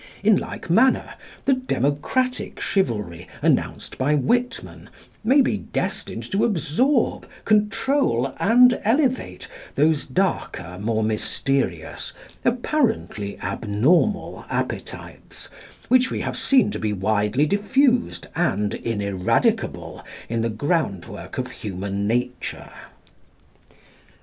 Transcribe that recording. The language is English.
In like manner, the democratic chivalry, announced by Whitman, may be destined to absorb, control, and elevate those darker, more mysterious, apparently abnormal appetites, which we have seen to be widely diffused and ineradicable in the ground work of human nature.